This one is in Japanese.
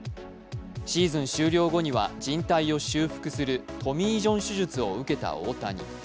シーズン終了後には、じん帯を修復するトミー・ジョン手術を受けた大谷。